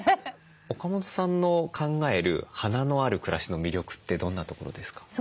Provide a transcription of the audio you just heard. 岡本さんの考える花のある暮らしの魅力ってどんなところですか？